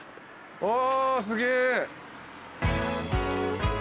あすげえ。